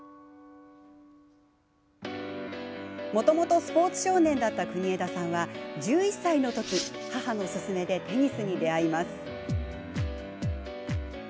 もともとスポーツ少年だった国枝さんは１１歳の時、母のすすめでテニスに出会います。